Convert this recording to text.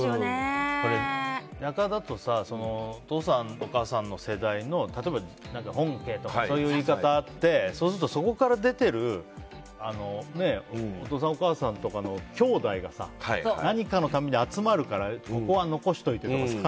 田舎だとお父さんお母さんの世代の本家とかそういう言い方があってそうすると、そこから出てるお父さんお母さんのきょうだいが何かの度に集まるからここは残しておいてとかさ。